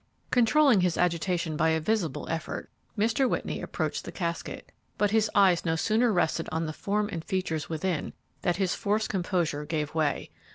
Controlling his agitation by a visible effort, Mr. Whitney approached the casket, but his eyes no sooner rested on the form and features within than his forced composure gave way.